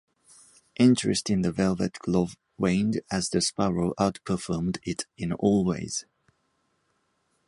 Interest in the Velvet Glove waned, as the Sparrow outperformed it in all ways.